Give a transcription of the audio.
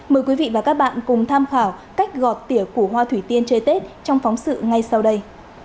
mời quý vị và các bạn cùng tham khảo cách gọt tỉa củ hoa thủy tiên chơi tết trong phóng sự ngay sau đây